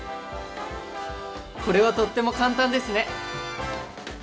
これはとっても簡単ですね！